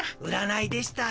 占いでした。